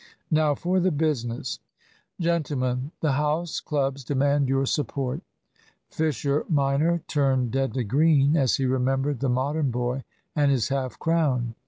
"Now for the business. Gentlemen, the house clubs demand your support." (Fisher minor turned deadly green as he remembered the Modern boy and his half crown.